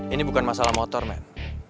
ini bukan masalah motor men